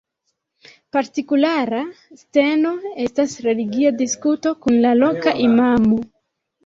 Partikulara sceno estas religia diskuto kun la loka imamo.